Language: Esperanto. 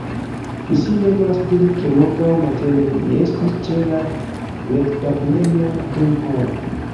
Mi simple volas diri ke morgaŭ matene mi estos ĉe la retbabilejo dum horo